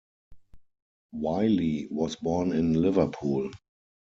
Wylie was born in Liverpool.